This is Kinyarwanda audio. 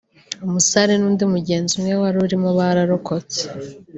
umusare n’undi mugenzi umwe wari urimo bararokotse